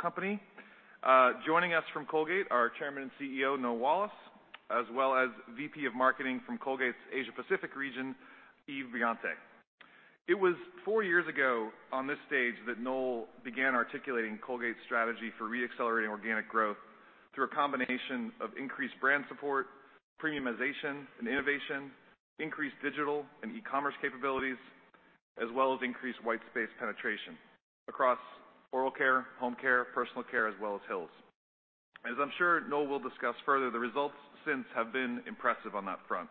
company. Joining us from Colgate, our Chairman and CEO Noel Wallace, as well as VP of Marketing from Colgate's Asia Pacific region, Yves Briantais. It was four years ago on this stage that Noel began articulating Colgate's strategy for re-accelerating organic growth through a combination of increased brand support, premiumization and innovation, increased digital and e-commerce capabilities, as well as increased white space penetration across oral care, home care, personal care, as well as Hill's. As I'm sure Noel will discuss further, the results since have been impressive on that front,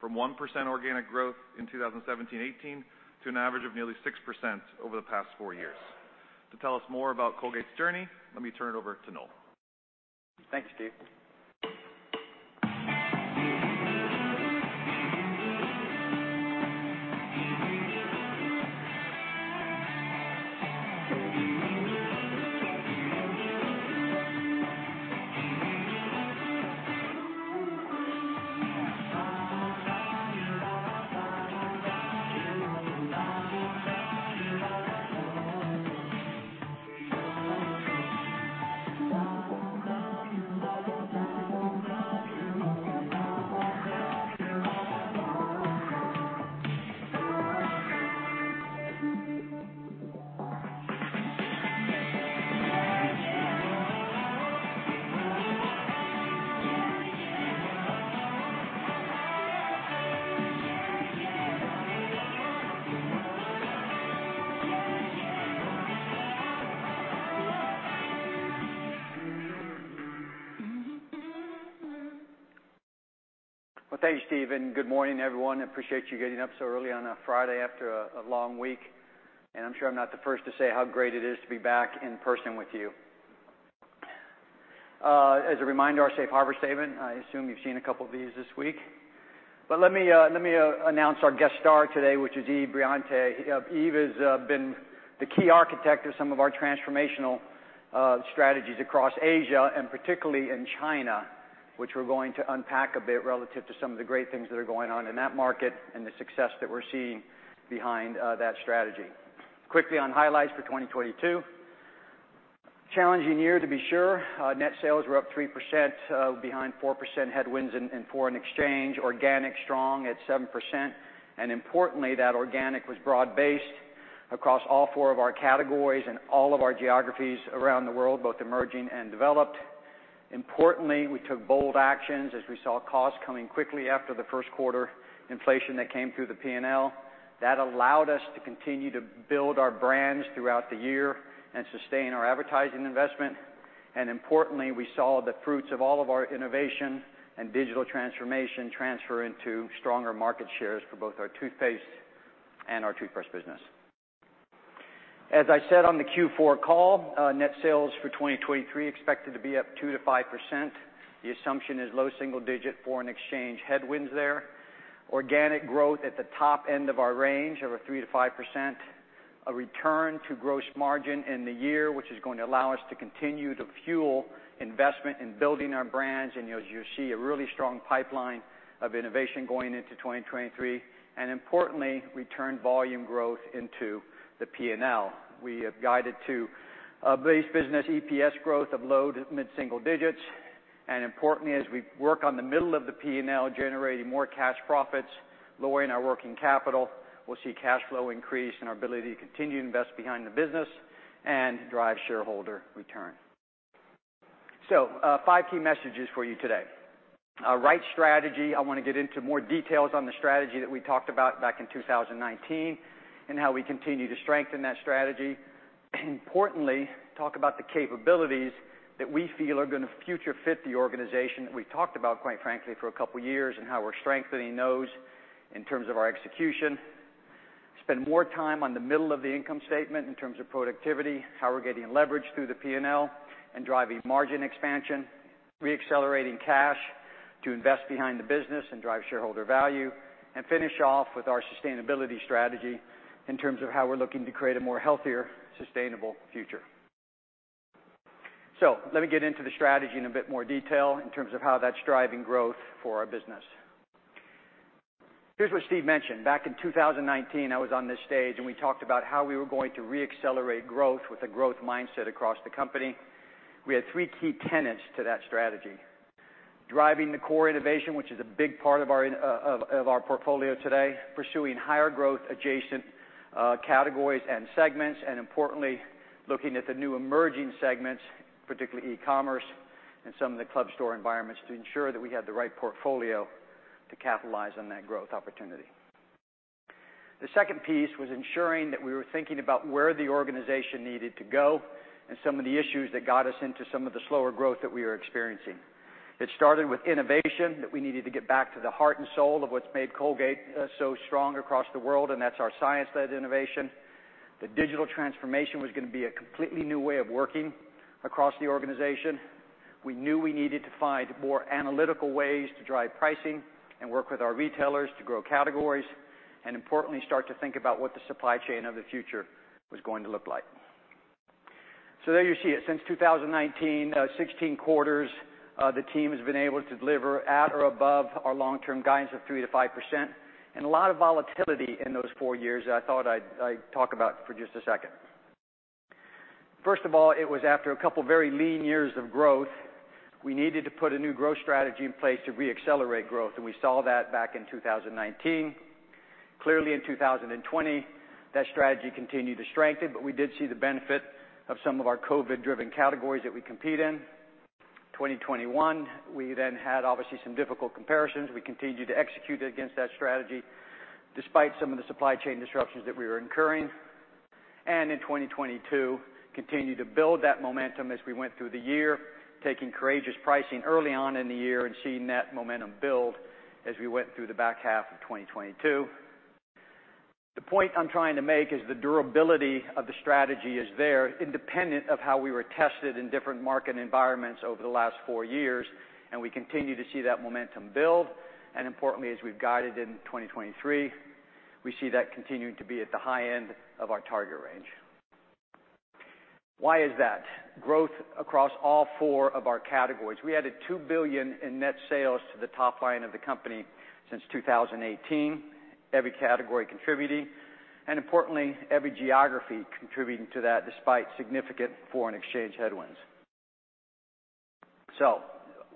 from 1% organic growth in 2017/18 to an average of nearly 6% over the past four years. To tell us more about Colgate's journey, let me turn it over to Noel. Thank you, Steve. Well, thank you, Steve, and good morning, everyone. Appreciate you getting up so early on a Friday after a long week, and I'm sure I'm not the first to say how great it is to be back in person with you. As a reminder, our safe harbor statement. I assume you've seen a couple of these this week. Let me announce our guest star today, which is Yves Briantais. Yves has been the key architect of some of our transformational strategies across Asia and particularly in China, which we're going to unpack a bit relative to some of the great things that are going on in that market and the success that we're seeing behind that strategy. Quickly on highlights for 2022. Challenging year to be sure. Net sales were up 3%, behind 4% headwinds in foreign exchange. Organic strong at 7%, and importantly, that organic was broad-based across all four of our categories and all of our geographies around the world, both emerging and developed. Importantly, we took bold actions as we saw costs coming quickly after the first quarter inflation that came through the P&L. That allowed us to continue to build our brands throughout the year and sustain our advertising investment. Importantly, we saw the fruits of all of our innovation and digital transformation transfer into stronger market shares for both our toothpaste and our toothbrush business. As I said on the Q4 call, net sales for 2023 expected to be up 2%-5%. The assumption is low single digit foreign exchange headwinds there. Organic growth at the top end of our range of a 3%-5%. A return to gross margin in the year, which is going to allow us to continue to fuel investment in building our brands, and as you'll see, a really strong pipeline of innovation going into 2023. Importantly, return volume growth into the P&L. We have guided to base business EPS growth of low to mid-single digits. Importantly, as we work on the middle of the P&L, generating more cash profits, lowering our working capital, we'll see cash flow increase and our ability to continue to invest behind the business and drive shareholder return. five key messages for you today. Right strategy. I wanna get into more details on the strategy that we talked about back in 2019 and how we continue to strengthen that strategy. Importantly, talk about the capabilities that we feel are gonna future-fit the organization that we talked about, quite frankly, for a couple years and how we're strengthening those in terms of our execution. Spend more time on the middle of the income statement in terms of productivity, how we're getting leverage through the P&L and driving margin expansion. Re-accelerating cash to invest behind the business and drive shareholder value. Finish off with our sustainability strategy in terms of how we're looking to create a more healthier, sustainable future. Let me get into the strategy in a bit more detail in terms of how that's driving growth for our business. Here's what Steve mentioned. Back in 2019, I was on this stage, and we talked about how we were going to re-accelerate growth with a growth mindset across the company. We had three key tenets to that strategy. Driving the core innovation, which is a big part of our of our portfolio today. Pursuing higher growth adjacent categories and segments. Importantly, looking at the new emerging segments, particularly e-commerce and some of the club store environments, to ensure that we have the right portfolio to capitalize on that growth opportunity. The second piece was ensuring that we were thinking about where the organization needed to go and some of the issues that got us into some of the slower growth that we were experiencing. It started with innovation, that we needed to get back to the heart and soul of what's made Colgate so strong across the world, and that's our science-led innovation. The digital transformation was gonna be a completely new way of working across the organization. We knew we needed to find more analytical ways to drive pricing and work with our retailers to grow categories, and importantly, start to think about what the supply chain of the future was going to look like. There you see it. Since 2019, 16 quarters, the team has been able to deliver at or above our long-term guidance of 3%-5%. A lot of volatility in those 4 years that I'd talk about for just a second. First of all, it was after a couple very lean years of growth, we needed to put a new growth strategy in place to re-accelerate growth, and we saw that back in 2019. Clearly, in 2020, that strategy continued to strengthen, but we did see the benefit of some of our COVID-driven categories that we compete in. 2021, we then had, obviously, some difficult comparisons. We continued to execute against that strategy despite some of the supply chain disruptions that we were incurring. In 2022, continued to build that momentum as we went through the year, taking courageous pricing early on in the year and seeing that momentum build as we went through the back half of 2022. The point I'm trying to make is the durability of the strategy is there, independent of how we were tested in different market environments over the last four years, and we continue to see that momentum build. Importantly, as we've guided in 2023, we see that continuing to be at the high end of our target range. Why is that? Growth across all four of our categories. We added $2 billion in net sales to the top line of the company since 2018, every category contributing, and importantly, every geography contributing to that despite significant foreign exchange headwinds.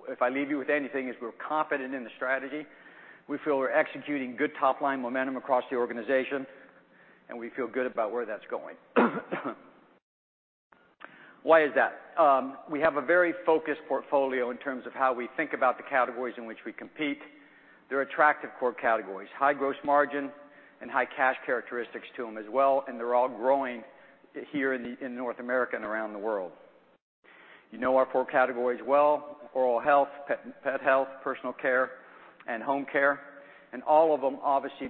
If I leave you with anything, it's we're confident in the strategy. We feel we're executing good top-line momentum across the organization, and we feel good about where that's going. Why is that? We have a very focused portfolio in terms of how we think about the categories in which we compete. They're attractive core categories, high gross margin and high cash characteristics to them as well, and they're all growing here in North America and around the world. You know our four categories well: oral health, pet health, personal care, and home care. All of them, obviously,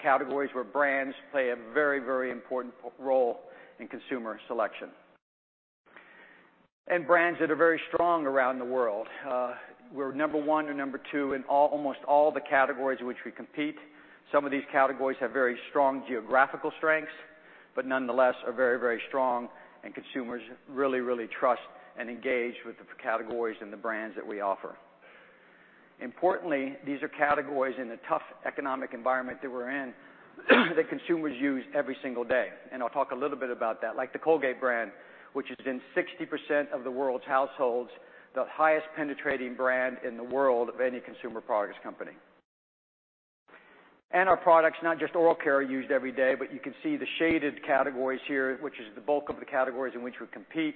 categories where brands play a very, very important role in consumer selection. Brands that are very strong around the world. We're number one or number two in almost all the categories in which we compete. Some of these categories have very strong geographical strengths, but nonetheless are very, very strong, and consumers really, really trust and engage with the categories and the brands that we offer. Importantly, these are categories in the tough economic environment that we're in that consumers use every single day. I'll talk a little bit about that, like the Colgate brand, which is in 60% of the world's households, the highest penetrating brand in the world of any consumer products company. Our products, not just oral care, are used every day, but you can see the shaded categories here, which is the bulk of the categories in which we compete.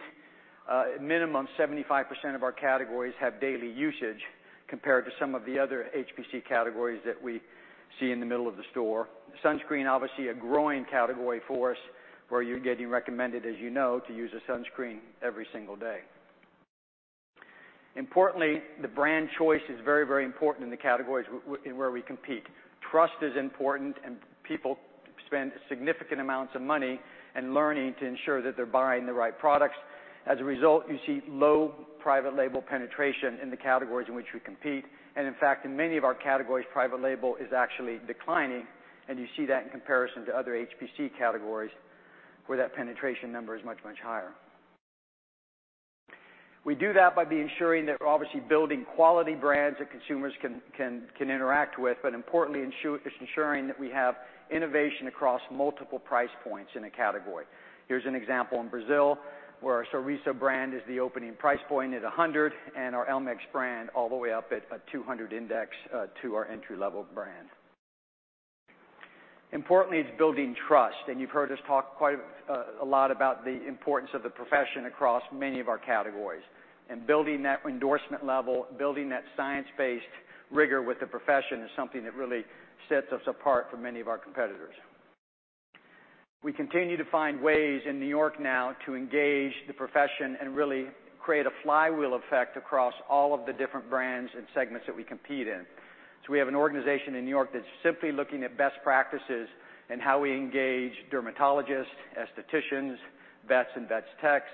At minimum, 75% of our categories have daily usage compared to some of the other HPC categories that we see in the middle of the store. Sunscreen, obviously, a growing category for us, where you're getting recommended, as you know, to use a sunscreen every single day. Importantly, the brand choice is very, very important in the categories in where we compete. Trust is important, and people spend significant amounts of money in learning to ensure that they're buying the right products. As a result, you see low private label penetration in the categories in which we compete. In fact, in many of our categories, private label is actually declining, and you see that in comparison to other HPC categories where that penetration number is much, much higher. We do that by ensuring that we're obviously building quality brands that consumers can interact with, but importantly, ensuring that we have innovation across multiple price points in a category. Here's an example in Brazil, where our Sorriso brand is the opening price point at 100, and our elmex brand all the way up at a 200 index to our entry-level brand. Importantly, it's building trust, and you've heard us talk quite a lot about the importance of the profession across many of our categories. Building that endorsement level, building that science-based rigor with the profession is something that really sets us apart from many of our competitors. We continue to find ways in New York now to engage the profession and really create a flywheel effect across all of the different brands and segments that we compete in. We have an organization in New York that's simply looking at best practices and how we engage dermatologists, aestheticians, vets and vet techs,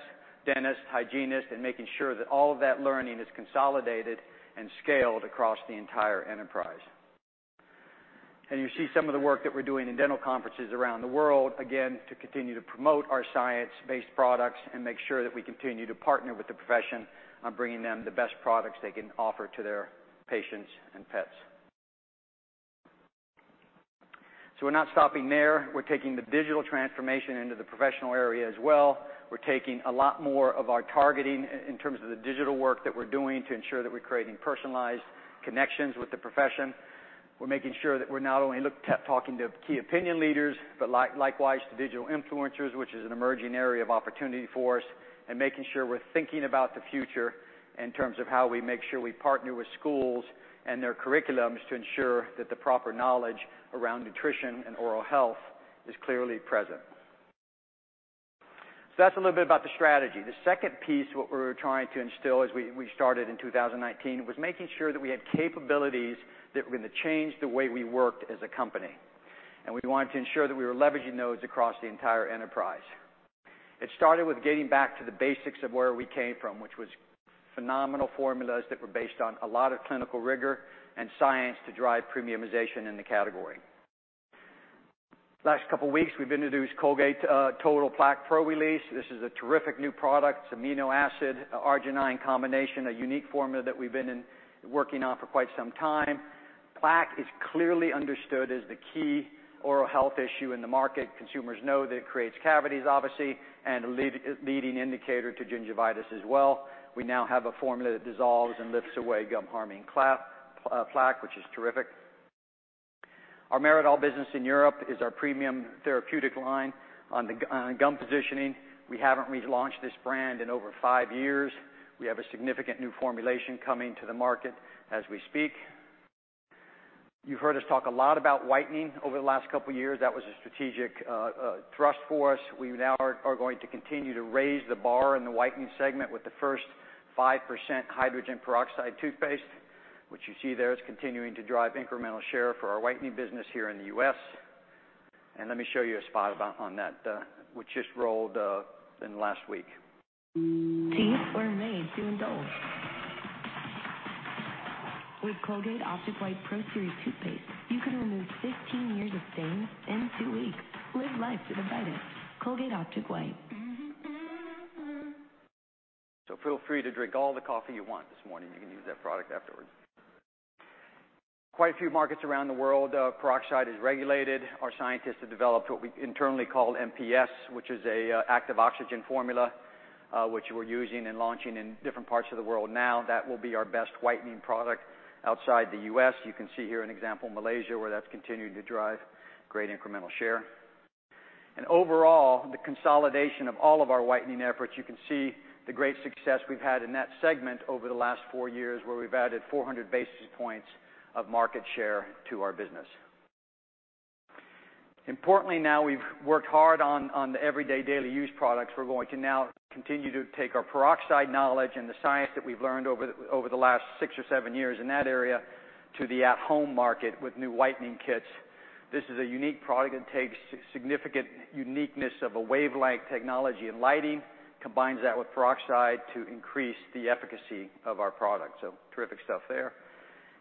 dentists, hygienists, and making sure that all of that learning is consolidated and scaled across the entire enterprise. You see some of the work that we're doing in dental conferences around the world, again, to continue to promote our science-based products and make sure that we continue to partner with the profession on bringing them the best products they can offer to their patients and pets. We're not stopping there. We're taking the digital transformation into the professional area as well. We're taking a lot more of our targeting in terms of the digital work that we're doing to ensure that we're creating personalized connections with the profession. We're making sure that we're not only talking to key opinion leaders, but likewise to digital influencers, which is an emerging area of opportunity for us, and making sure we're thinking about the future in terms of how we make sure we partner with schools and their curriculums to ensure that the proper knowledge around nutrition and oral health is clearly present. That's a little bit about the strategy. The second piece, what we were trying to instill as we started in 2019, was making sure that we had capabilities that were gonna change the way we worked as a company. We wanted to ensure that we were leveraging those across the entire enterprise. It started with getting back to the basics of where we came from, which was phenomenal formulas that were based on a lot of clinical rigor and science to drive premiumization in the category. Last couple weeks, we've introduced Colgate Total Plaque Pro-Release. This is a terrific new product. It's amino acid, arginine combination, a unique formula that we've been working on for quite some time. Plaque is clearly understood as the key oral health issue in the market. Consumers know that it creates cavities, obviously, and a leading indicator to gingivitis as well. We now have a formula that dissolves and lifts away gum-harming plaque, which is terrific. Our meridol business in Europe is our premium therapeutic line on the gum positioning. We haven't relaunched this brand in over five years. We have a significant new formulation coming to the market as we speak. You've heard us talk a lot about whitening over the last couple of years. That was a strategic thrust for us. We now are going to continue to raise the bar in the whitening segment with the first 5% hydrogen peroxide toothpaste, which you see there is continuing to drive incremental share for our whitening business here in the U.S. Let me show you a spot on that, which just rolled in the last week. Teeth were made to indulge. With Colgate Optic White Pro Series toothpaste, you can remove 15 years of stains in two weeks. Live life to the bite with Colgate Optic White. Feel free to drink all the coffee you want this morning. You can use that product afterwards. Quite a few markets around the world, peroxide is regulated. Our scientists have developed what we internally call MPS, which is a active oxygen formula, which we're using and launching in different parts of the world now. That will be our best whitening product outside the U.S. You can see here an example in Malaysia, where that's continuing to drive great incremental share. Overall, the consolidation of all of our whitening efforts, you can see the great success we've had in that segment over the last 4 years, where we've added 400 basis points of market share to our business. Importantly now, we've worked hard on the everyday daily use products. We're going to now continue to take our peroxide knowledge and the science that we've learned over the last six or seven years in that area to the at-home market with new whitening kits. This is a unique product that takes significant uniqueness of a wavelength technology in lighting, combines that with peroxide to increase the efficacy of our product. Terrific stuff there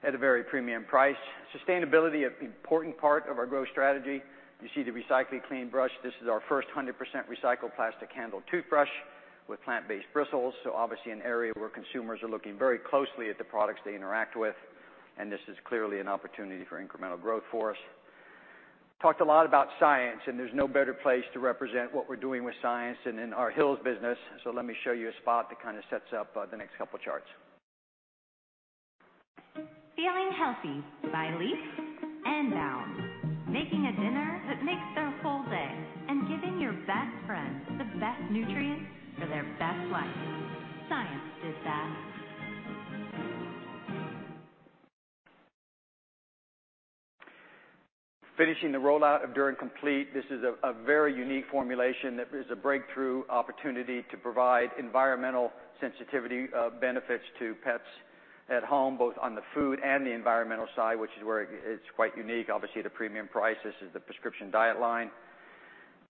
at a very premium price. Sustainability, an important part of our growth strategy. You see the Recycled Clean Brush. This is our first 100% recycled plastic-handled toothbrush with plant-based bristles, so obviously an area where consumers are looking very closely at the products they interact with, and this is clearly an opportunity for incremental growth for us. There's no better place to represent what we're doing with science than in our Hill's business. Let me show you a spot that kinda sets up the next couple charts. Feeling healthy by leaps and bounds. Making a dinner that makes their whole day and giving your best friends the best nutrients for their best life. Science does that. Finishing the rollout of Derm Complete, this is a very unique formulation that is a breakthrough opportunity to provide environmental sensitivity benefits to pets at home, both on the food and the environmental side, which is where it's quite unique. Obviously, at a premium price. This is the Prescription Diet line.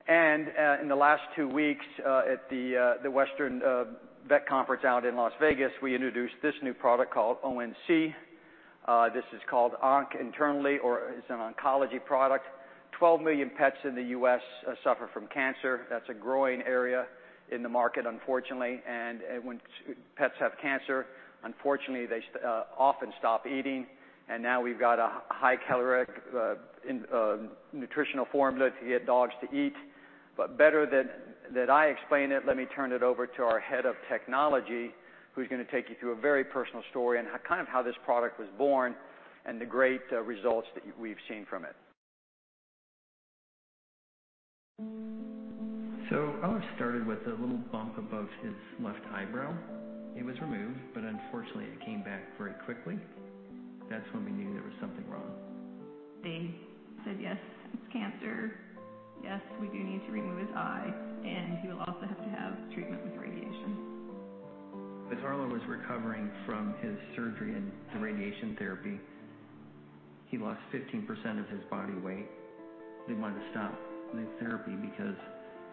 In the last 2 weeks, at the Western vet conference out in Las Vegas, we introduced this new product called O-N-C. This is called ONC internally or is an oncology product. 12 million pets in the U.S. suffer from cancer. That's a growing area in the market, unfortunately. And when pets have cancer, unfortunately, they often stop eating. Now we've got a high-caloric nutritional formula to get dogs to eat. Better than I explain it, let me turn it over to our head of technology who's gonna take you through a very personal story and kind of how this product was born and the great results that we've seen from it. Ours started with a little bump above his left eyebrow. It was removed, but unfortunately, it came back very quickly. That's when we knew there was something wrong. They said, "Yes, it's cancer. Yes, we do need to remove his eye. He will also have to have treatment with radiation. As Harlow was recovering from his surgery and the radiation therapy, he lost 15% of his body weight. They wanted to stop the therapy because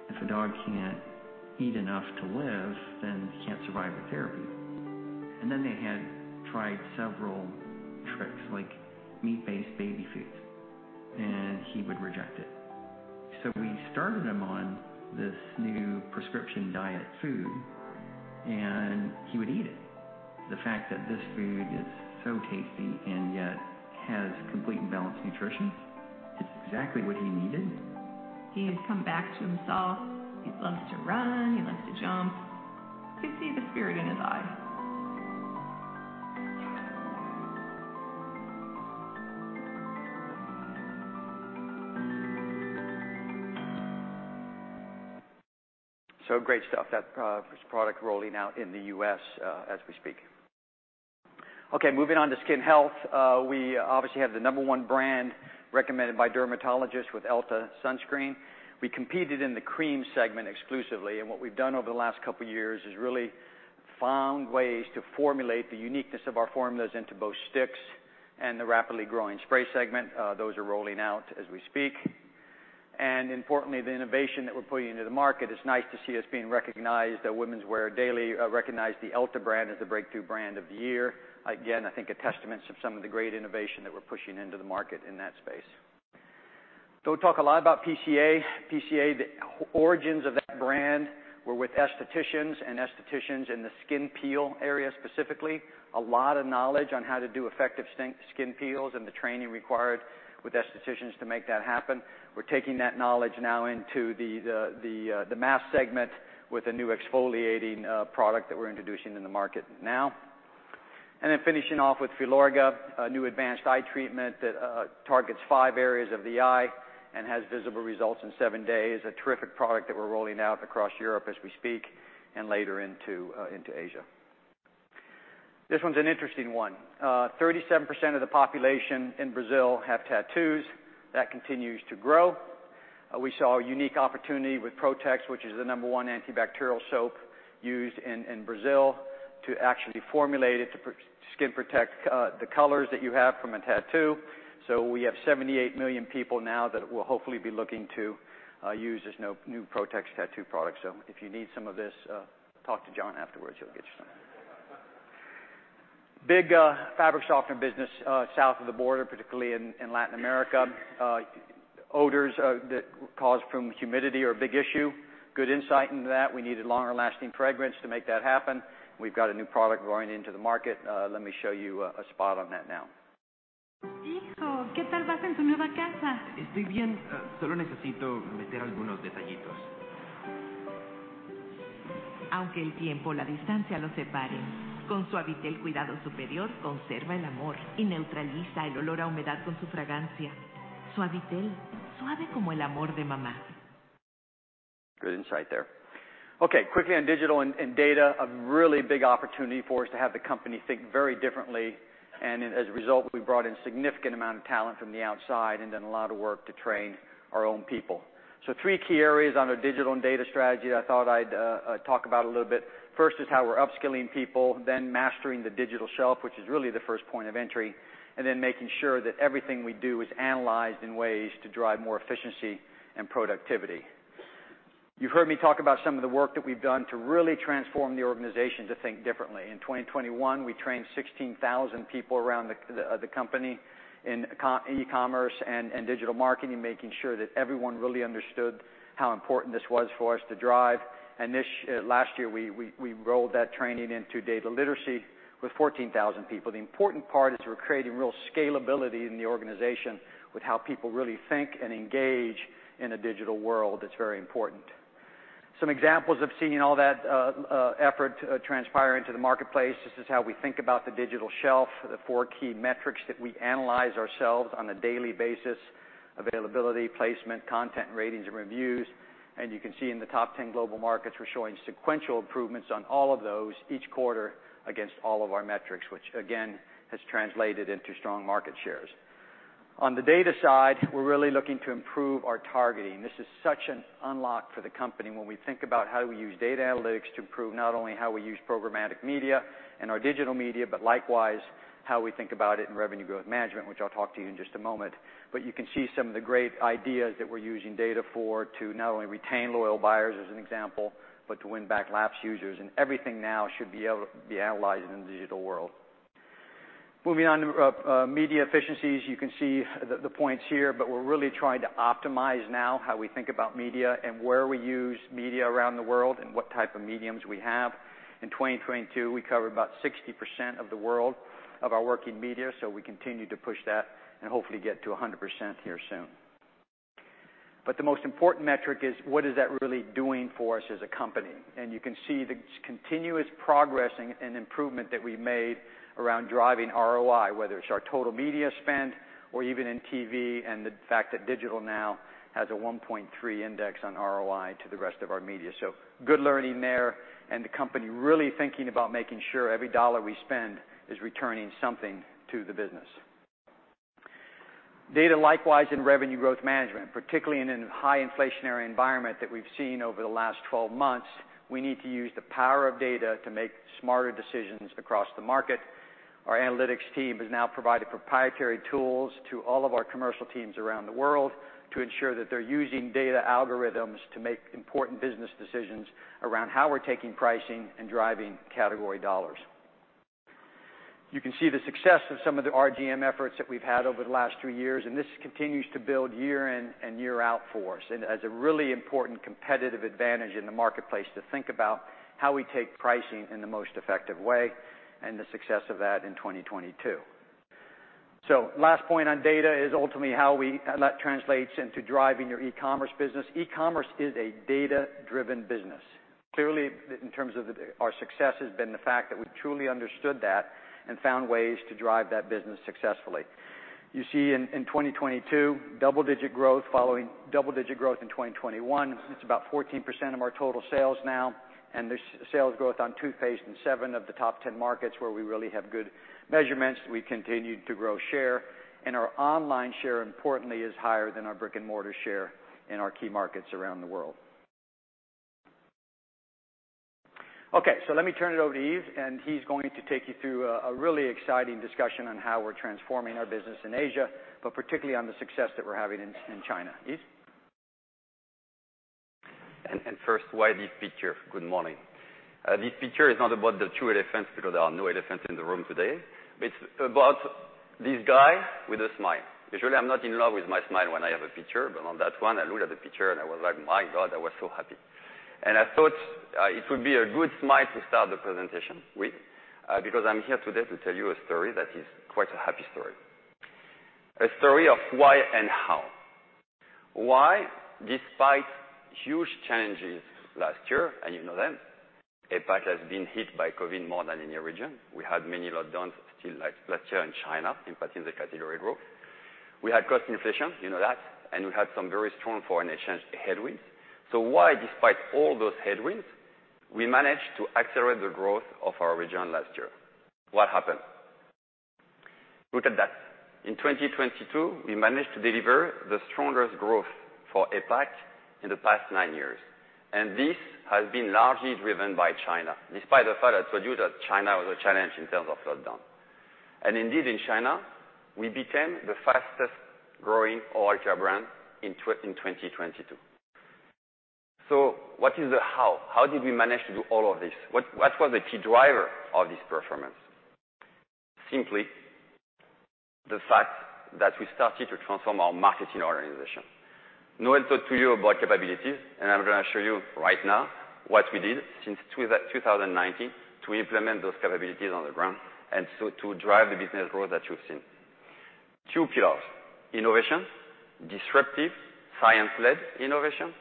if a dog can't eat enough to live, then he can't survive the therapy. They had tried several tricks, like meat-based baby food, and he would reject it. We started him on this new Prescription Diet food, and he would eat it. The fact that this food is so tasty and yet has complete and balanced nutrition, it's exactly what he needed. He has come back to himself. He loves to run. He likes to jump. You see the spirit in his eye. Great stuff. That product rolling out in the U.S. as we speak. Moving on to skin health. We obviously have the number one brand recommended by dermatologists with Elta sunscreen. We competed in the cream segment exclusively, and what we've done over the last couple years is really found ways to formulate the uniqueness of our formulas into both sticks and the rapidly growing spray segment. Those are rolling out as we speak. Importantly, the innovation that we're putting into the market, it's nice to see us being recognized. The Women's Wear Daily recognized the Elta brand as the breakthrough brand of the year. Again, I think a testament of some of the great innovation that we're pushing into the market in that space. We talk a lot about PCA. PCA, the origins of that brand were with estheticians, and estheticians in the skin peel area, specifically. A lot of knowledge on how to do effective skin peels and the training required with estheticians to make that happen. We're taking that knowledge now into the mass segment with a new exfoliating product that we're introducing in the market now. Finishing off with Filorga, a new advanced eye treatment that targets five areas of the eye and has visible results in seven days. A terrific product that we're rolling out across Europe as we speak, and later into Asia. This one's an interesting one. 37% of the population in Brazil have tattoos. That continues to grow. We saw a unique opportunity with Protex, which is the number one antibacterial soap used in Brazil, to actually formulate it to skin protect the colors that you have from a tattoo. We have 78 million people now that will hopefully be looking to use this new Protex tattoo product. If you need some of this, talk to John afterwards, he'll get you some. Big fabric softener business south of the border, particularly in Latin America. Odors that cause from humidity are a big issue. Good insight into that. We needed longer-lasting fragrance to make that happen. We've got a new product going into the market. Let me show you a spot on that now. Good insight there. Okay, quickly on digital and data, a really big opportunity for us to have the company think very differently. As a result, we brought in significant amount of talent from the outside and done a lot of work to train our own people. Three key areas on our digital and data strategy that I thought I'd talk about a little bit. First is how we're upskilling people, then mastering the digital shelf, which is really the first point of entry, and then making sure that everything we do is analyzed in ways to drive more efficiency and productivity. You've heard me talk about some of the work that we've done to really transform the organization to think differently. In 2021, we trained 16,000 people around the company in e-commerce and digital marketing, making sure that everyone really understood how important this was for us to drive. Last year, we rolled that training into data literacy with 14,000 people. The important part is we're creating real scalability in the organization with how people really think and engage in a digital world. It's very important. Some examples of seeing all that effort transpire into the marketplace. This is how we think about the digital shelf, the four key metrics that we analyze ourselves on a daily basis: availability, placement, content, ratings, and reviews. You can see in the top 10 global markets, we're showing sequential improvements on all of those each quarter against all of our metrics, which again, has translated into strong market shares. On the data side, we're really looking to improve our targeting. This is such an unlock for the company when we think about how we use data analytics to improve not only how we use programmatic media and our digital media, but likewise, how we think about it in revenue growth management, which I'll talk to you in just a moment. You can see some of the great ideas that we're using data for to not only retain loyal buyers as an example, but to win back lapsed users. Everything now should be analyzed in the digital world. Moving on to media efficiencies. You can see the points here. We're really trying to optimize now how we think about media and where we use media around the world and what type of mediums we have. In 2022, we covered about 60% of the world of our working media. We continue to push that and hopefully get to 100% here soon. The most important metric is what is that really doing for us as a company? You can see the continuous progressing and improvement that we made around driving ROI, whether it's our total media spend or even in TV, and the fact that digital now has a 1.3 index on ROI to the rest of our media. Good learning there, and the company really thinking about making sure every dollar we spend is returning something to the business. Data, likewise, in revenue growth management, particularly in a high inflationary environment that we've seen over the last 12 months, we need to use the power of data to make smarter decisions across the market. Our analytics team has now provided proprietary tools to all of our commercial teams around the world to ensure that they're using data algorithms to make important business decisions around how we're taking pricing and driving category dollars. You can see the success of some of the RGM efforts that we've had over the last 2 years, and this continues to build year in and year out for us, and as a really important competitive advantage in the marketplace to think about how we take pricing in the most effective way and the success of that in 2022. Last point on data is ultimately how that translates into driving your e-commerce business. E-commerce is a data-driven business. Clearly, in terms of our success has been the fact that we've truly understood that and found ways to drive that business successfully. You see in 2022, double-digit growth following double-digit growth in 2021. It's about 14% of our total sales now, and the sales growth on toothpaste in 7 of the top 10 markets where we really have good measurements, we continued to grow share. Our online share, importantly, is higher than our brick-and-mortar share in our key markets around the world. Let me turn it over to Yves, and he's going to take you through a really exciting discussion on how we're transforming our business in Asia, but particularly on the success that we're having in China. Yves? First, why this picture? Good morning. This picture is not about the 2 elephants, because there are no elephants in the room today. It's about this guy with a smile. Usually, I'm not in love with my smile when I have a picture, but on that one, I looked at the picture and I was like, "My God, I was so happy." I thought it would be a good smile to start the presentation with, because I'm here today to tell you a story that is quite a happy story. A story of why and how. Why, despite huge changes last year, you know them, APAC has been hit by COVID more than any region. We had many lockdowns still last year in China, impacting the category growth. We had cost inflation, you know that, we had some very strong foreign exchange headwinds. Why, despite all those headwinds, we managed to accelerate the growth of our region last year? What happened? Look at that. In 2022, we managed to deliver the strongest growth for APAC in the past 9 years, this has been largely driven by China, despite the fact I told you that China was a challenge in terms of lockdown. Indeed, in China, we became the fastest-growing oral care brand in 2022. What is the how? How did we manage to do all of this? What was the key driver of this performance? Simply the fact that we started to transform our marketing organization. Noel talked to you about capabilities, I'm gonna show you right now what we did since 2019 to implement those capabilities on the ground to drive the business growth that you've seen. Two pillars: innovation, disruptive science-led innovation,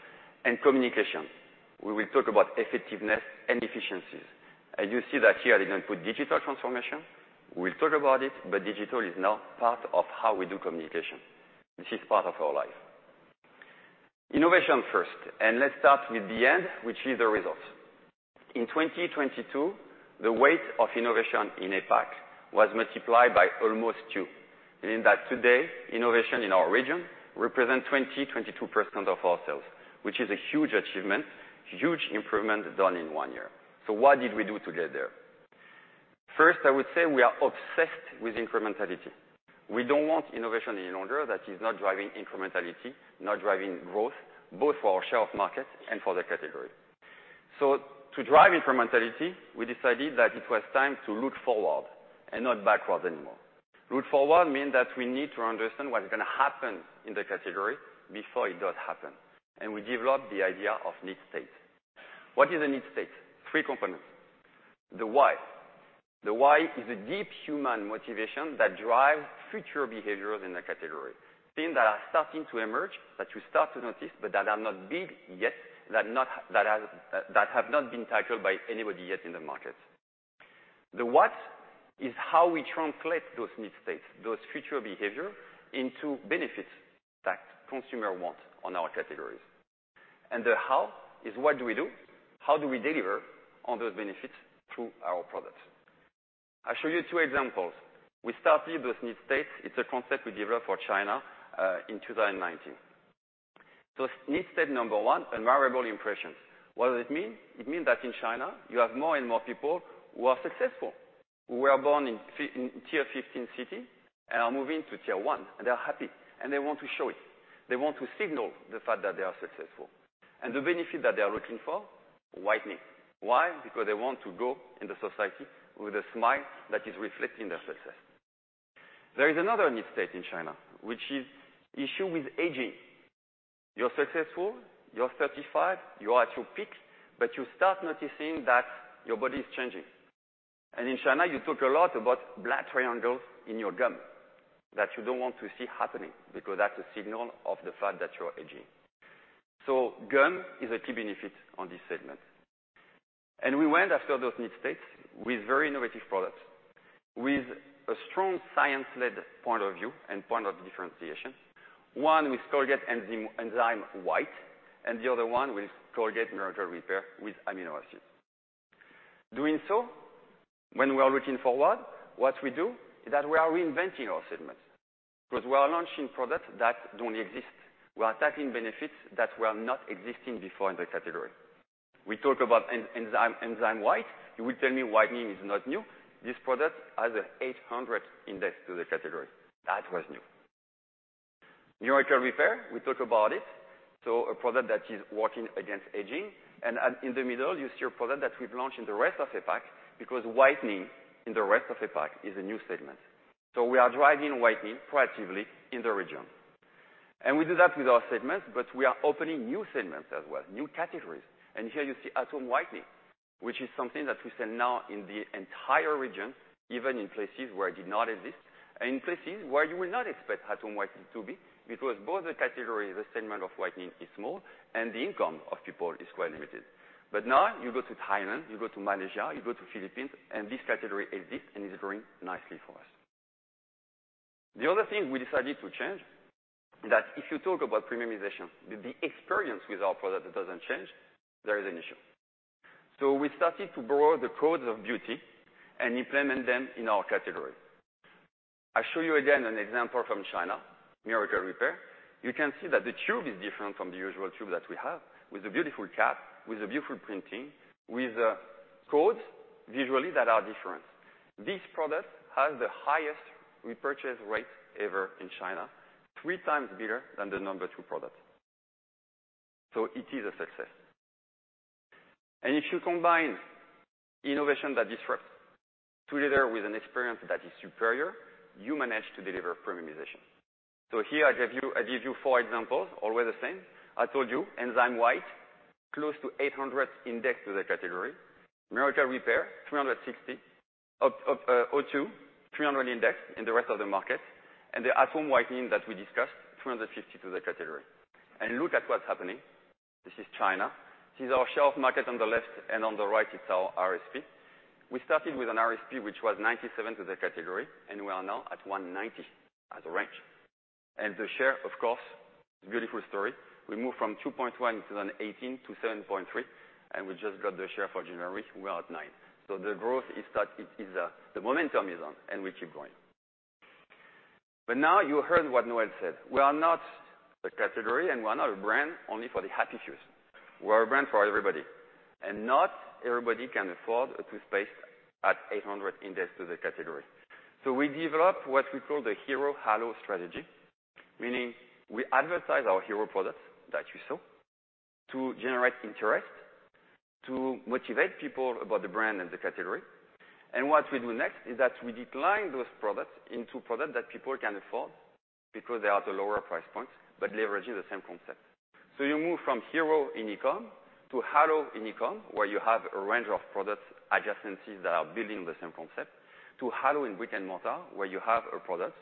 and communication. We will talk about effectiveness and efficiencies. You see that here I did not put digital transformation. We'll talk about it, but digital is now part of how we do communication. This is part of our life. Innovation first, and let's start with the end, which is the results. In 2022, the weight of innovation in APAC was multiplied by almost 2. Meaning that today, innovation in our region represents 20%-22% of our sales, which is a huge achievement, huge improvement done in 1 year. What did we do to get there? First, I would say we are obsessed with incrementality. We don't want innovation any longer that is not driving incrementality, not driving growth, both for our share of market and for the category. To drive incrementality, we decided that it was time to look forward and not backwards anymore. Look forward means that we need to understand what is going to happen in the category before it does happen, and we developed the idea of need state. What is a need state? Three components. The why. The why is a deep human motivation that drives future behaviors in the category, things that are starting to emerge, that you start to notice, but that are not big yet, that have not been tackled by anybody yet in the market. The what is how we translate those need states, those future behavior into benefits that consumer want on our categories. The how is what do we do, how do we deliver on those benefits through our products. I'll show you two examples. We started with need states. It's a concept we developed for China in 2019. Need state number 1, admirable impressions. What does it mean? It means that in China, you have more and more people who are successful, who were born in tier 15 city and are moving to tier 1, and they are happy, and they want to show it. They want to signal the fact that they are successful. The benefit that they are looking for, whitening. Why? Because they want to go in the society with a smile that is reflecting their success. There is another need state in China, which is issue with aging. You're successful, you're 35, you are at your peak, you start noticing that your body is changing. In China, you talk a lot about black triangles in your gum that you don't want to see happening, because that's a signal of the fact that you are aging. Gum is a key benefit on this segment. We went after those need states with very innovative products, with a strong science-led point of view and point of differentiation. One with Colgate Enzyme White, and the other one with Colgate Miracle Repair with amino acids. Doing so, when we are looking forward, what we do is that we are reinventing our segments, because we are launching products that don't exist. We are tackling benefits that were not existing before in the category. We talk about Enzyme White. You will tell me whitening is not new. This product adds 800 index to the category. That was new. Miracle Repair, we talk about it, a product that is working against aging. In the middle, you see a product that we've launched in the rest of APAC because whitening in the rest of APAC is a new segment. We are driving whitening proactively in the region. We do that with our segments, but we are opening new segments as well, new categories. Here you see at-home whitening, which is something that we sell now in the entire region, even in places where it did not exist, and in places where you will not expect at-home whitening to be, because both the category, the segment of whitening is small, and the income of people is quite limited. Now you go to Thailand, you go to Malaysia, you go to Philippines, and this category exists and is growing nicely for us. The other thing we decided to change is that if you talk about premiumization, the experience with our product doesn't change, there is an issue. We started to borrow the codes of beauty and implement them in our category. I show you again an example from China, Miracle Repair. You can see that the tube is different from the usual tube that we have, with a beautiful cap, with a beautiful printing, with codes visually that are different. This product has the highest repurchase rate ever in China, three times better than the number two product. It is a success. If you combine innovation that disrupts together with an experience that is superior, you manage to deliver premiumization. Here I gave you, I give you four examples, always the same. I told you Enzyme White, close to 800 index to the category. Miracle Repair, 360. O2, 300 index in the rest of the market. The at-home whitening that we discussed, 250 to the category. Look at what's happening. This is China. This is our shelf market on the left, and on the right is our RSP. We started with an RSP which was 97 to the category, and we are now at 190 as a range. The share, of course, beautiful story. We moved from 2.1% in 2018 to 7.3%, and we just got the share for January, we are at 9%. The growth is that it is, the momentum is on, and we keep going. Now you heard what Noel said. We are not the category, and we are not a brand only for the happy fews. We are a brand for everybody. Not everybody can afford a toothpaste at 800 index to the category. We developed what we call the hero halo strategy, meaning we advertise our hero products that you saw to generate interest, to motivate people about the brand and the category. What we do next is that we decline those products into products that people can afford because they are at a lower price point, but leveraging the same concept. You move from hero in e-com to halo in e-com, where you have a range of products, adjacencies that are building the same concept, to halo in brick and mortar, where you have a product,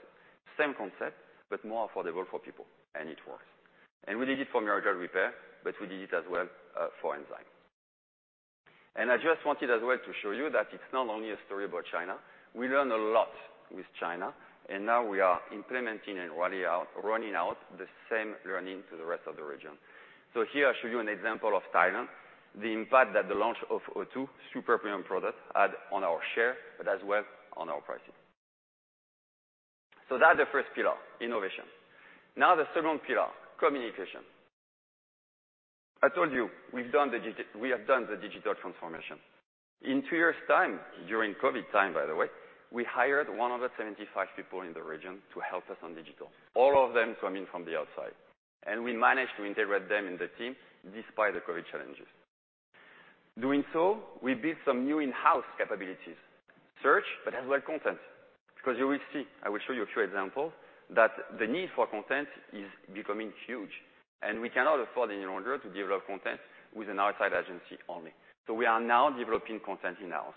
same concept, but more affordable for people, and it works. We did it for Miracle Repair, but we did it as well for Enzyme. I just wanted as well to show you that it's not only a story about China. We learn a lot with China, now we are implementing and rolling out the same learning to the rest of the region. Here I show you an example of Thailand, the impact that the launch of O2 super premium product had on our share, but as well on our pricing. That's the first pillar, innovation. Now the second pillar, communication. I told you, we've done the digital transformation. In two years' time, during COVID time, by the way, we hired 175 people in the region to help us on digital, all of them coming from the outside. We managed to integrate them in the team despite the COVID challenges. Doing so, we built some new in-house capabilities, search, but as well content. You will see, I will show you a few examples, that the need for content is becoming huge, and we cannot afford any longer to develop content with an outside agency only. We are now developing content in-house.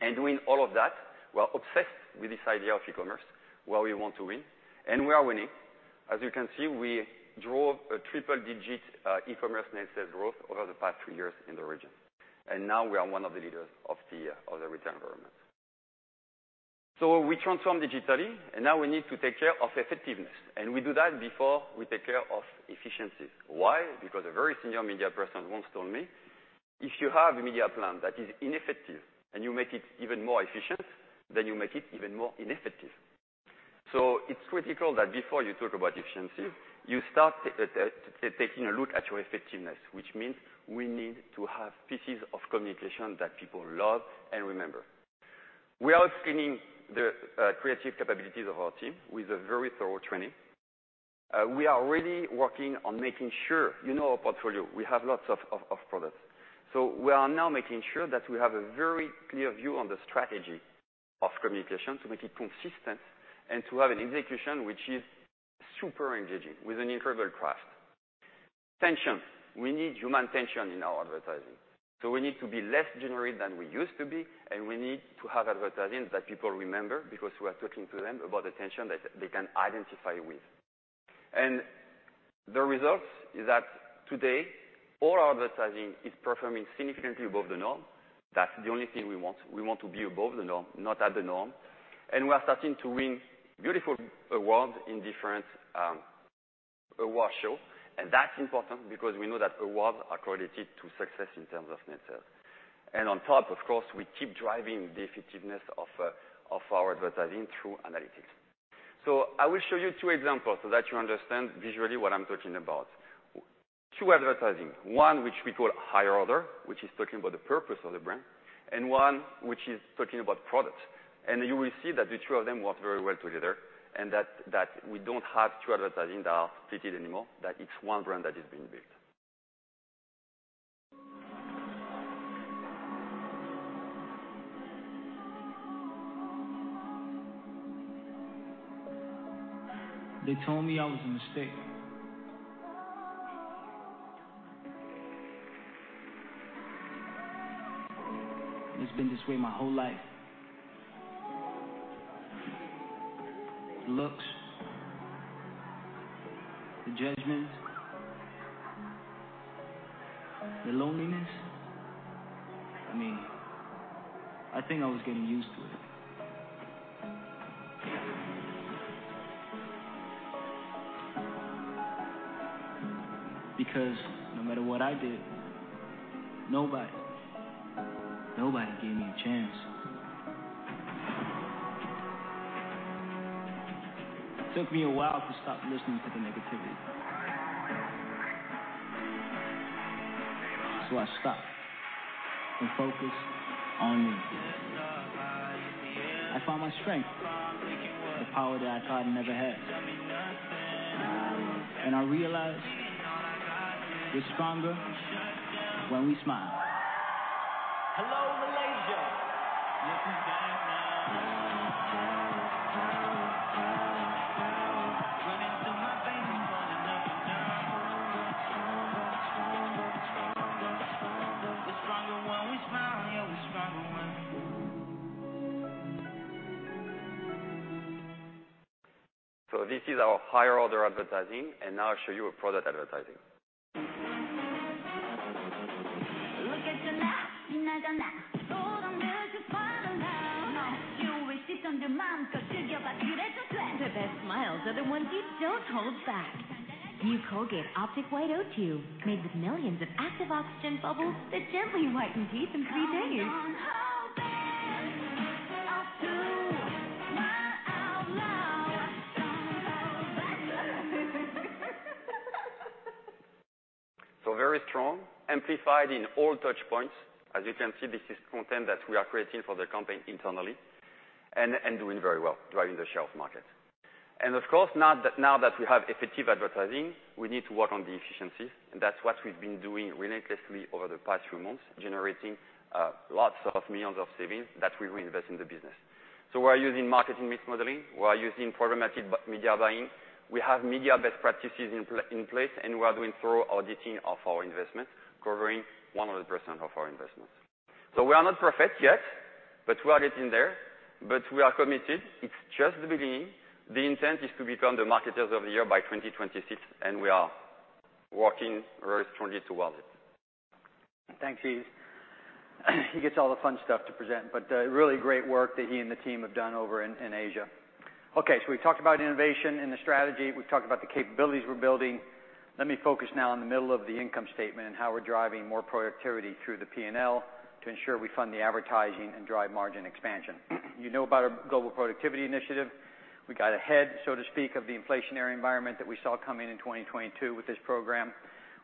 Doing all of that, we are obsessed with this idea of e-commerce, where we want to win, and we are winning. As you can see, we drove a triple-digit e-commerce net sales growth over the past 2 years in the region. Now we are one of the leaders of the retail environment. We transformed digitally, and now we need to take care of effectiveness. We do that before we take care of efficiencies. Why? Because a very senior media person once told me, "If you have a media plan that is ineffective and you make it even more efficient, then you make it even more ineffective." It's critical that before you talk about efficiency, you start taking a look at your effectiveness, which means we need to have pieces of communication that people love and remember. We are upskilling the creative capabilities of our team with a very thorough training. We are really working on making sure... You know our portfolio. We have lots of products. We are now making sure that we have a very clear view on the strategy of communication to make it consistent and to have an execution which is super engaging with an incredible craft. Tension. We need human tension in our advertising. We need to be less generic than we used to be, and we need to have advertising that people remember because we are talking to them about the tension that they can identify with. The results is that today, all our advertising is performing significantly above the norm. That's the only thing we want. We want to be above the norm, not at the norm. We are starting to win beautiful awards in different award show. That's important because we know that awards are correlated to success in terms of net sales. On top, of course, we keep driving the effectiveness of our advertising through analytics. I will show you two examples so that you understand visually what I'm talking about. Two advertising, one which we call higher order, which is talking about the purpose of the brand, and one which is talking about product. You will see that the two of them work very well together and that we don't have two advertising that are fitted anymore, that it's one brand that is being built. They told me I was a mistake. It's been this way my whole life. The looks, the judgments, the loneliness. I mean, I think I was getting used to it. No matter what I did, nobody gave me a chance. It took me a while to stop listening to the negativity. I stopped and focused on me. I found my strength, the power that I thought I never had. I realized we're stronger when we smile. Hello, Malaysia. This is our higher order advertising, and now I'll show you a product advertising. The best smiles are the ones you don't hold back. New Colgate Optic White O2, made with millions of active oxygen bubbles that gently whiten teeth in three days. Very strong, amplified in all touch points. As you can see, this is content that we are creating for the campaign internally and doing very well, driving the shelf market. Of course, now that we have effective advertising, we need to work on the efficiencies, and that's what we've been doing relentlessly over the past few months, generating lots of millions of savings that we reinvest in the business. We're using marketing mix modeling. We're using programmatic media buying. We have media best practices in place, and we are doing thorough auditing of our investments, covering 100% of our investments. We are not perfect yet, but we are getting there. We are committed. It's just the beginning. The intent is to become the marketers of the year by 2026. We are working very strongly towards it. Thanks, Yves. He gets all the fun stuff to present, really great work that he and the team have done over in Asia. We talked about innovation and the strategy. We've talked about the capabilities we're building. Let me focus now on the middle of the income statement and how we're driving more productivity through the P&L to ensure we fund the advertising and drive margin expansion. You know about our Global Productivity Initiative. We got ahead, so to speak, of the inflationary environment that we saw coming in 2022 with this program,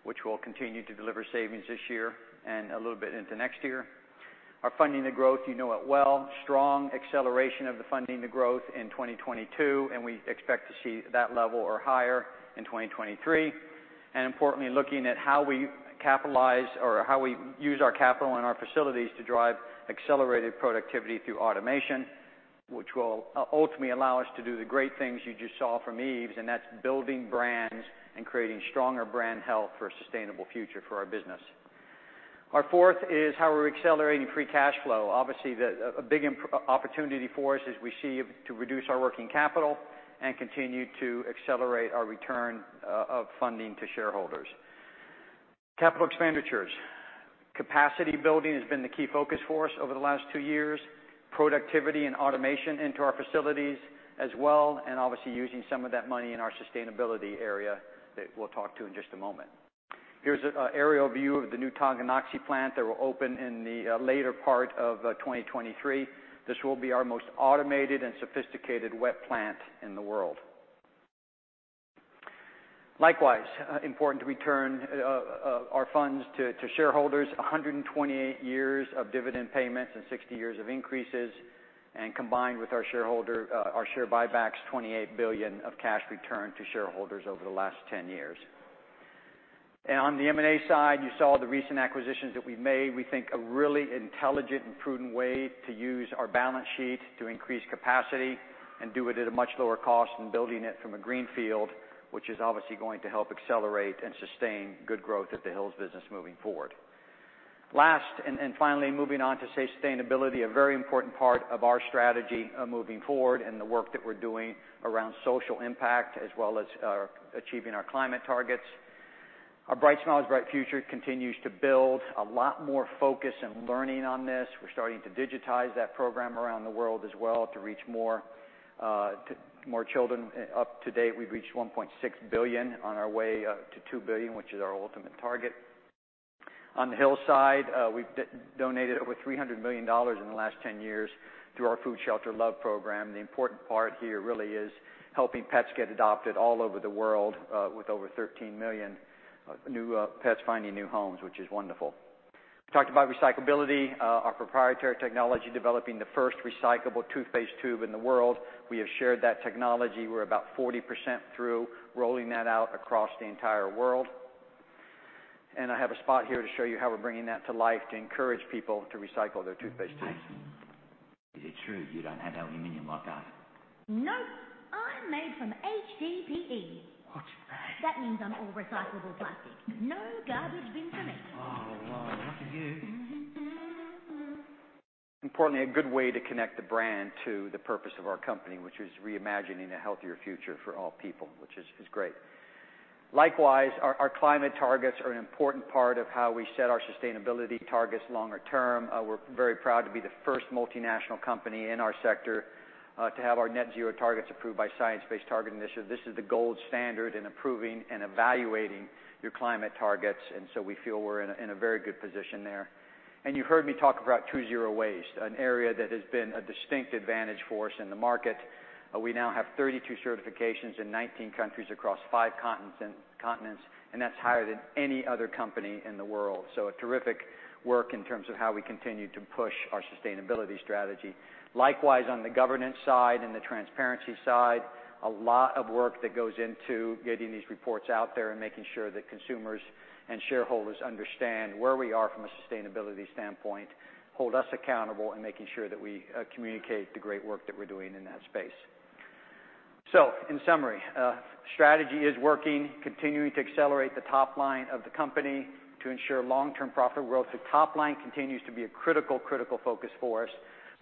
which will continue to deliver savings this year and a little bit into next year. Our funding to growth, you know it well, strong acceleration of the funding to growth in 2022. We expect to see that level or higher in 2023. Importantly, looking at how we capitalize or how we use our capital and our facilities to drive accelerated productivity through automation, which will ultimately allow us to do the great things you just saw from Yves, and that's building brands and creating stronger brand health for a sustainable future for our business. Our fourth is how we're accelerating free cash flow. Obviously, a big opportunity for us as we see to reduce our working capital and continue to accelerate our return of funding to shareholders. Capital expenditures. Capacity building has been the key focus for us over the last two years. Productivity and automation into our facilities as well, and obviously using some of that money in our sustainability area that we'll talk to in just a moment. Here's a aerial view of the new Tonganoxie plant that will open in the later part of 2023. This will be our most automated and sophisticated wet plant in the world. Likewise, important to return our funds to shareholders 128 years of dividend payments and 60 years of increases, combined with our shareholder our share buybacks, $28 billion of cash returned to shareholders over the last 10 years. On the M&A side, you saw the recent acquisitions that we made. We think a really intelligent and prudent way to use our balance sheet to increase capacity and do it at a much lower cost than building it from a greenfield, which is obviously going to help accelerate and sustain good growth at the Hill's business moving forward. Last, finally, moving on to sustainability, a very important part of our strategy, moving forward and the work that we're doing around social impact as well as achieving our climate targets. Our Bright Smiles, Bright Futures continues to build. A lot more focus and learning on this. We're starting to digitize that program around the world as well to reach more to more children. Up to date, we've reached 1.6 billion, on our way to 2 billion, which is our ultimate target. On the Hill's side, we've donated over $300 million in the last 10 years through our Food, Shelter & Love Program. The important part here really is helping pets get adopted all over the world, with over 13 million new pets finding new homes, which is wonderful. We talked about recyclability, our proprietary technology, developing the first recyclable toothpaste tube in the world. We have shared that technology. We're about 40% through rolling that out across the entire world. I have a spot here to show you how we're bringing that to life to encourage people to recycle their toothpaste tubes. Hey. Is it true you don't have aluminum like us? Nope. I'm made from HDPE. What's that? That means I'm all recyclable plastic. No garbage bin for me. Oh, wow. Lucky you. A good way to connect the brand to the purpose of our company, which is reimagining a healthier future for all people, which is great. Our climate targets are an important part of how we set our sustainability targets longer term. We're very proud to be the first multinational company in our sector to have our net zero targets approved by Science Based Targets initiative. This is the gold standard in approving and evaluating your climate targets, we feel we're in a very good position there. You heard me talk about zero waste, an area that has been a distinct advantage for us in the market. We now have 32 certifications in 19 countries across 5 continents, that's higher than any other company in the world. A terrific work in terms of how we continue to push our sustainability strategy. Likewise, on the governance side and the transparency side, a lot of work that goes into getting these reports out there and making sure that consumers and shareholders understand where we are from a sustainability standpoint, hold us accountable and making sure that we communicate the great work that we're doing in that space. In summary, strategy is working, continuing to accelerate the top line of the company to ensure long-term profitable growth. The top line continues to be a critical focus for us,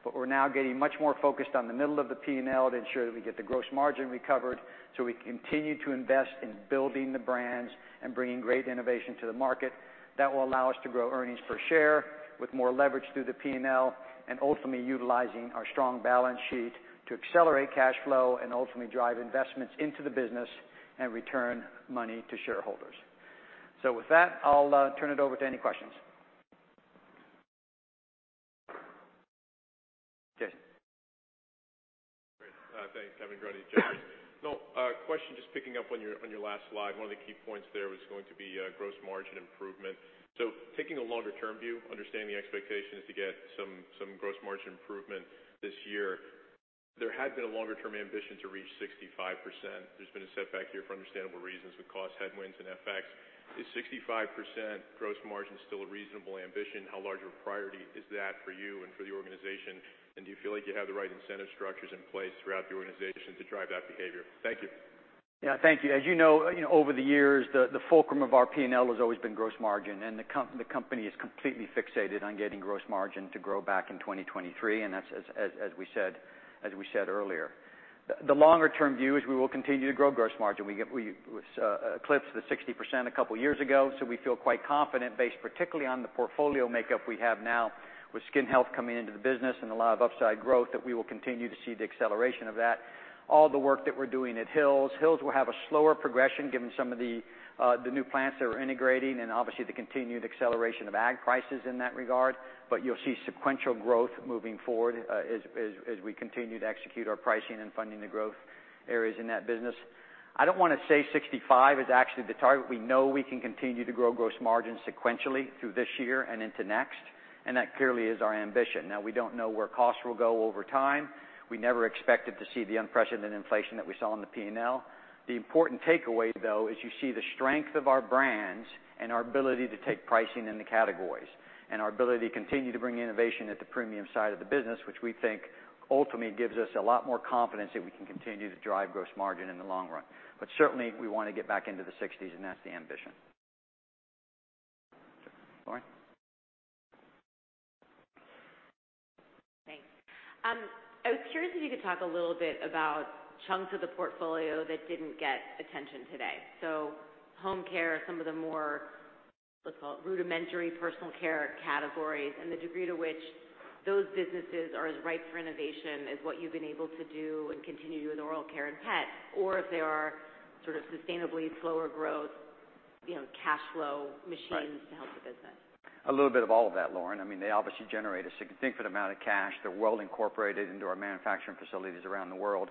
but we're now getting much more focused on the middle of the P&L to ensure that we get the gross margin recovered, so we continue to invest in building the brands and bringing great innovation to the market. That will allow us to grow earnings per share with more leverage through the P&L, and ultimately utilizing our strong balance sheet to accelerate cash flow and ultimately drive investments into the business and return money to shareholders. With that, I'll turn it over to any questions. Jason. Great. Thanks. A question, just picking up on your, on your last slide, one of the key points there was going to be gross margin improvement. Taking a longer term view, understanding the expectation is to get some gross margin improvement this year. There had been a longer term ambition to reach 65%. There's been a setback here for understandable reasons with cost headwinds and FX. Is 65% gross margin still a reasonable ambition? How large a priority is that for you and for the organization? Do you feel like you have the right incentive structures in place throughout the organization to drive that behavior? Thank you. Yeah. Thank you. As you know, over the years, the fulcrum of our P&L has always been gross margin. The company is completely fixated on getting gross margin to grow back in 2023. That's as we said earlier. The longer term view is we will continue to grow gross margin. We eclipsed the 60% a couple years ago. We feel quite confident based particularly on the portfolio makeup we have now with skin health coming into the business and a lot of upside growth, that we will continue to see the acceleration of that. All the work that we're doing at Hill's. Hill's will have a slower progression given some of the new plants that we're integrating and obviously the continued acceleration of ag prices in that regard. You'll see sequential growth moving forward, as we continue to execute our pricing and funding the growth areas in that business. I don't wanna say 65 is actually the target. We know we can continue to grow gross margin sequentially through this year and into next, and that clearly is our ambition. Now we don't know where costs will go over time. We never expected to see the unprecedented inflation that we saw in the P&L. The important takeaway though is you see the strength of our brands and our ability to take pricing in the categories, and our ability to continue to bring innovation at the premium side of the business, which we think ultimately gives us a lot more confidence that we can continue to drive gross margin in the long run. Certainly, we wanna get back into the 60s, and that's the ambition. Lauren. Thanks. I was curious if you could talk a little bit about chunks of the portfolio that didn't get attention today. Home care, some of the more, let's call it rudimentary personal care categories, and the degree to which those businesses are as ripe for innovation as what you've been able to do and continue to do with oral care and pet, or if they are sort of sustainably slower growth, you know, cash flow machines? Right. to help the business. A little bit of all of that, Lauren. I mean, they obviously generate a significant amount of cash. They're well incorporated into our manufacturing facilities around the world.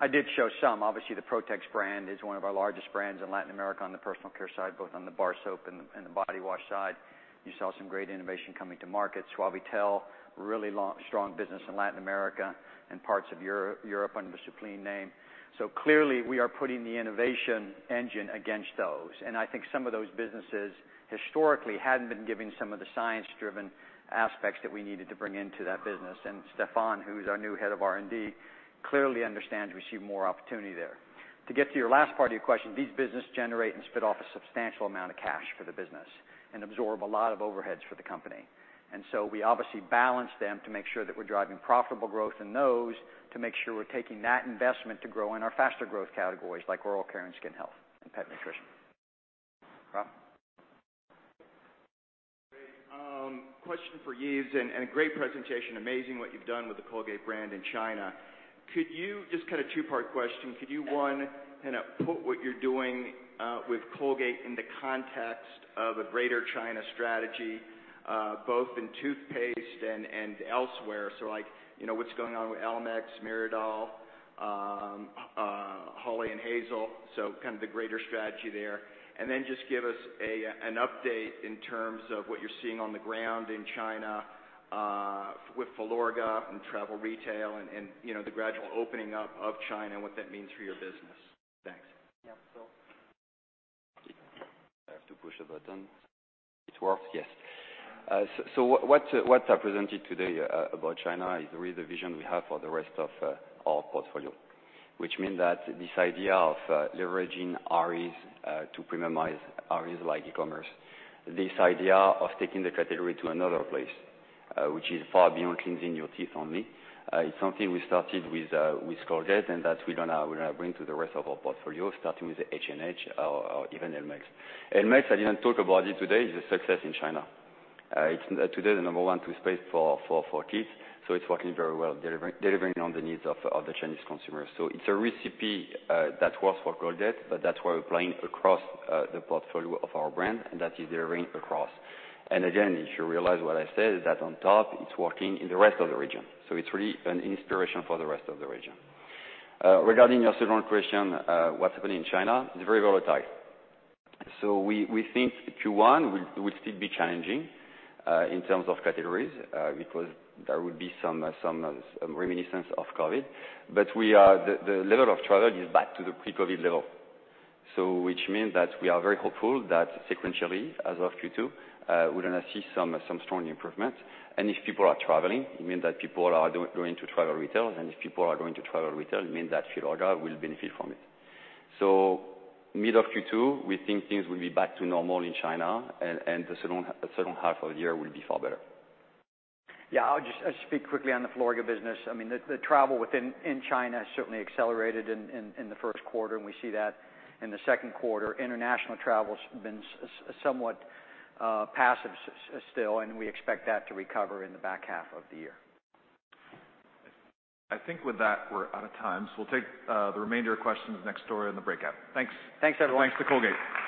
I did show some. Obviously, the Protex brand is one of our largest brands in Latin America on the personal care side, both on the bar soap and the body wash side. You saw some great innovation coming to market. Suavitel, really strong business in Latin America and parts of Europe under the Soupline name. Clearly, we are putting the innovation engine against those. I think some of those businesses historically hadn't been giving some of the science-driven aspects that we needed to bring into that business. Stephan, who's our new head of R&D, clearly understands we see more opportunity there. To get to your last part of your question, these business generate and spit off a substantial amount of cash for the business and absorb a lot of overheads for the company. We obviously balance them to make sure that we're driving profitable growth in those, to make sure we're taking that investment to grow in our faster growth categories like oral care and skin health and pet nutrition. Rob? Great. Question for Yves, and a great presentation. Amazing what you've done with the Colgate brand in China. Just kind of two-part question. Could you, one, kinda put what you're doing with Colgate in the context of a greater China strategy, both in toothpaste and elsewhere? Like, you know, what's going on with elmex, meridol, Hawley & Hazel? Kind of the greater strategy there. Just give us an update in terms of what you're seeing on the ground in China, with Filorga and travel retail and, you know, the gradual opening up of China and what that means for your business. Thanks. Yeah. I have to push a button. It works? Yes. What I presented today about China is really the vision we have for the rest of our portfolio, which mean that this idea of leveraging ARIs to premiumize ARIs like e-commerce. This idea of taking the category to another place, which is far beyond cleansing your teeth only. It's something we started with Colgate, and that we're gonna bring to the rest of our portfolio, starting with the H&H or even elmex. elmex, I didn't talk about it today, is a success in China. It's today the number one toothpaste for kids, so it's working very well delivering on the needs of the Chinese consumers. It's a recipe that works for Colgate, but that's why we're playing across the portfolio of our brand, and that is delivering across. Again, if you realize what I said, is that on top it's working in the rest of the region. It's really an inspiration for the rest of the region. Regarding your second question, what's happening in China, it's very volatile. We think Q1 will still be challenging in terms of categories, because there will be some reminiscence of COVID. But the level of travel is back to the pre-COVID level. Which mean that we are very hopeful that sequentially, as of Q2, we're gonna see some strong improvements. If people are traveling, it means that people are going to travel retail. If people are going to travel retail, it means that Filorga will benefit from it. Middle of Q2, we think things will be back to normal in China and the second half of the year will be far better. Yeah. I'll just speak quickly on the Filorga business. I mean, the travel in China has certainly accelerated in the first quarter, and we see that in the second quarter. International travel's been somewhat passive still, and we expect that to recover in the back half of the year. I think with that, we're out of time. We'll take the remainder of questions next door in the breakout. Thanks. Thanks, everyone. Thanks to Colgate.